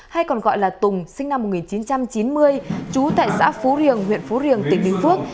hay còn gọi là tùng sinh năm một nghìn chín trăm chín mươi trú tại xã phú riềng huyện phú riềng tỉnh bình phước